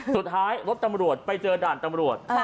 สุดท้ายรถตำรวจไปเจอด่านตำรวจ